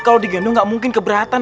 kalau digendong nggak mungkin keberatan